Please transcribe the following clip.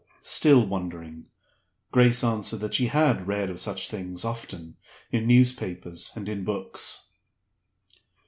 Still wondering, Grace answered that she had read of such things often, in newspapers and in books.